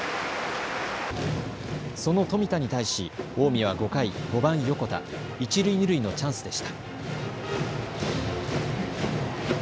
その富田に対し近江は５回、５番・横田、一塁二塁のチャンスでした。